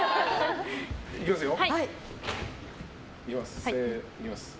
いきますよ。